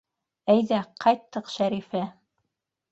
Әйҙә, ҡайттыҡ Шәрифә.